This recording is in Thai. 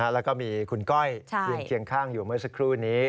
แล้วก็มีคุณก้อยยืนเคียงข้างอยู่เมื่อสักครู่นี้